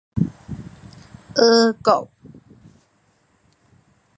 俄國